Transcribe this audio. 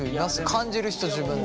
感じる人自分で。